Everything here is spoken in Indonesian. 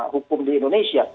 hukum di indonesia